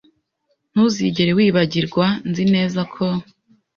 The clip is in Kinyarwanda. Ntuzigera wibagirwa, nzi neza ko.